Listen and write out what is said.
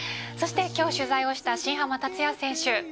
そして、今日取材をした新濱立也選手